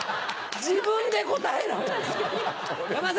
自分で答えろ。